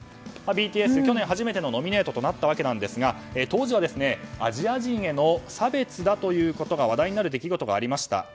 ＢＴＳ、去年初めてのノミネートだったんですが当時はアジア人への差別だと話題になる出来事がありました。